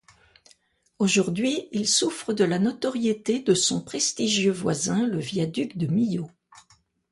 Aujourd'hui, il souffre de la notoriété de son prestigieux voisin le viaduc de Millau.